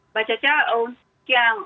mbak caca oh siang